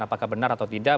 apakah benar atau tidak